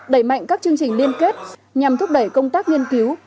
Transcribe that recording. đẩy mạnh các chương trình liên kết nhằm thúc đẩy công tác nghiên cứu